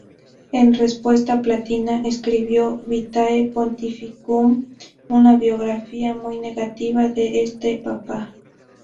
En respuesta, Platina, escribió "Vitae pontificum", una biografía muy negativa de este papa.